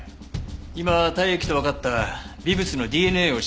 今体液とわかった微物のＤＮＡを調べてます。